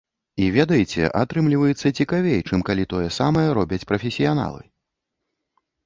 І ведаеце, атрымліваецца цікавей, чым калі тое самае робяць прафесіяналы.